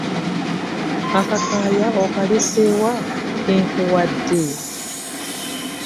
Akakaaya okalese wa ke nkuwadde?